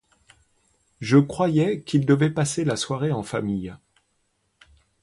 Je croyais qu'il devait passer la soirée en famille.